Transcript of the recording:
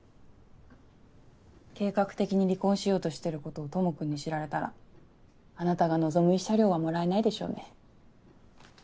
計画的に離婚しようとしてることを智くんに知られたらあなたが望む慰謝料は貰えないでしょうね。